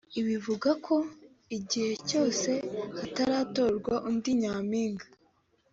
Ibi bivuga ko igihe cyose hataratorwa undi nyampinga